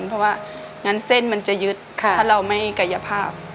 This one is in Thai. เพราะว่างั้นเส้นมันจะยึดถ้าเราไม่กายภาพ